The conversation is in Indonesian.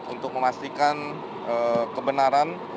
untuk memastikan kebenaran